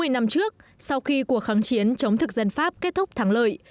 sáu mươi năm trước sau khi cuộc kháng chiến chống thực dân pháp kết thúc thắng lợi